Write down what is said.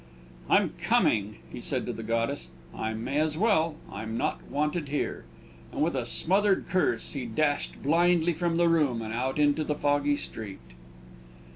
"I'm coming," he said to the goddess. "I may as well; I'm not wanted here." And, with a smothered curse, he dashed blindly from the room, and out into the foggy street.